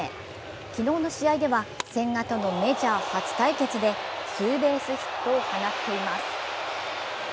昨日の試合では千賀とのメジャー初対決でツーベースヒットを放っています。